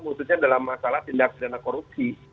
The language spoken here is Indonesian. maksudnya dalam masalah tindak sedana korupsi